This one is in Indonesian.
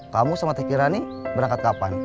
kamu sama teh kirani berangkat kapan